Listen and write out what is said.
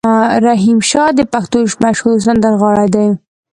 رحیم شا د پښتو مشهور سندرغاړی دی.